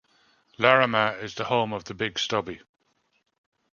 Larrimah is the home of the Big Stubby.